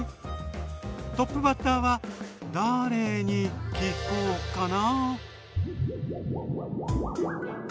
トップバッターはだれに聞こうかな？